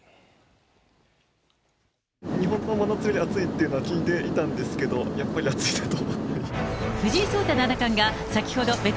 日本の真夏より暑いっていうのは聞いていたんですけど、やっぱり暑いなと。